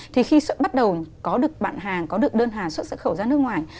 thì khi xuất bắt đầu có được bạn hàng có được đơn hàng xuất xuất khẩu ra nước ngoài